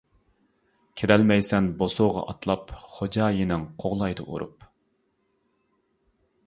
كىرەلمەيسەن بوسۇغا ئاتلاپ، خوجايىنىڭ قوغلايدۇ ئۇرۇپ!